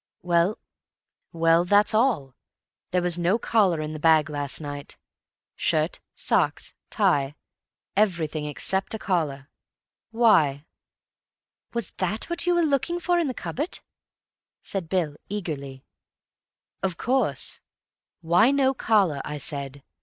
"Well, that's all. There was no collar in the bag last night. Shirt, socks, tie—everything except a collar. Why?" "Was that what you were looking for in the cupboard?" said Bill eagerly. "Of course. 'Why no collar?' I said.